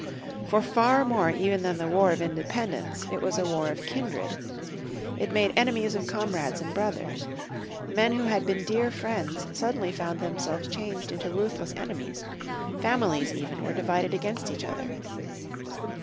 For far more even than the War of Independence, it was a war of kindred. It made enemies of comrades and brothers. Men who had been dear friends suddenly found themselves changed into ruthless enemies, families even were divided against each other.